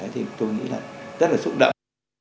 thì tôi nghĩ là rất là xúc động